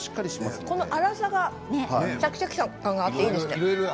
この粗さがシャキシャキ感があっていいですね。